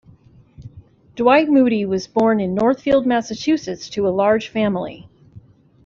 Dwight Moody was born in Northfield, Massachusetts, to a large family.